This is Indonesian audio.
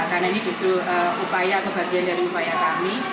karena ini justru upaya atau bagian dari upaya kami